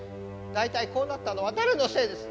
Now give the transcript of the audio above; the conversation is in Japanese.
大体こうなったのは誰のせいです。